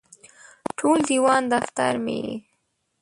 ټول دیوان دفتر مې یې